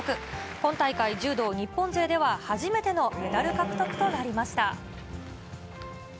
今大会、柔道日本勢では、初めてのメダル獲得となりました。